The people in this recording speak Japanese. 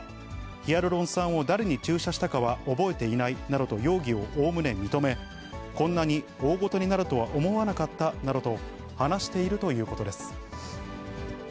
ヒアルロン酸を誰に注射したかは覚えていないなどと容疑をおおむね認め、こんなに大ごとになるとは思わなかったなどと、話しているということです。